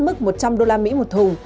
mức một trăm linh đô la mỹ một thùng